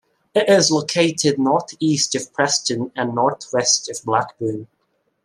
It is located north-east of Preston and north-west of Blackburn.